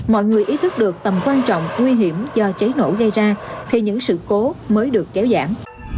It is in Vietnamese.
mọi người ý thức được tầm quan trọng nguy hiểm do cháy nổ gây ra thì những sự cố mới được kéo giảm